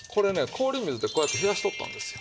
氷水でこうやって冷やしとったんですよ。